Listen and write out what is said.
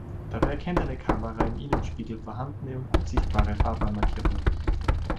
Dabei erkennt eine Kamera im Innenspiegel vorhandene und gut sichtbare Fahrbahnmarkierungen.